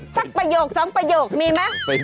ประโยคสองประโยคมีไหม